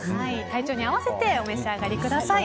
体調に合わせてお召し上がりください。